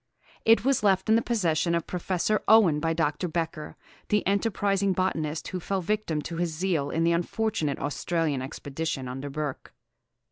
It was left in the possession of Professor Owen by Dr. Becher, the enterprising botanist, who fell a victim to his zeal in the unfortunate Australian expedition under Burke.